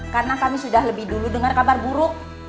karena kami sudah lebih dulu dengar kabar buruk